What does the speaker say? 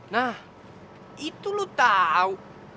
nah itu lo tau